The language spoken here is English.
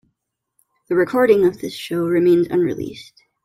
The recording of this show remains unreleased.